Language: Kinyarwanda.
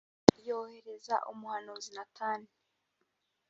yohereza umuhanuzi natani